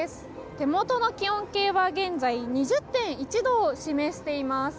手元の気温計は現在２０．１度を示しています。